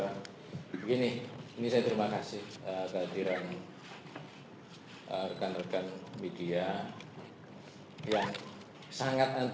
untuk menyampaikan penjelasan